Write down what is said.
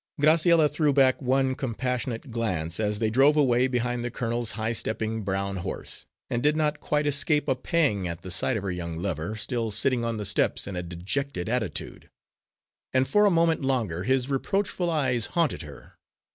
Graciella threw back one compassionate glance, as they drove away behind the colonel's high stepping brown horse, and did not quite escape a pang at the sight of her young lover, still sitting on the steps in a dejected attitude; and for a moment longer his reproachful eyes haunted her.